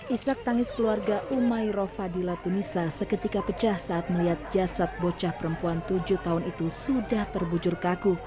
isak tangis keluarga umairofadila tunisa seketika pecah saat melihat jasad bocah perempuan tujuh tahun itu sudah terbujur kaku